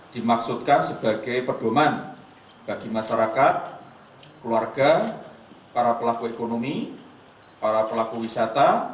nomor tiga penetapan hari libur nasional dan cuti bersama sektor pariwisata